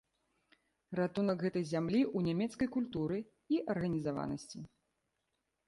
Ратунак гэтай зямлі ў нямецкай культуры і арганізаванасці.